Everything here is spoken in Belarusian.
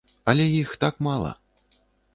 Але іх так мала.